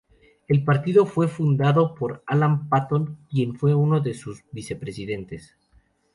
El partido fue fundado por Alan Paton, quien fue uno de sus vice presidentes.